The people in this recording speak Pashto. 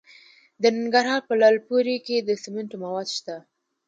د ننګرهار په لعل پورې کې د سمنټو مواد شته.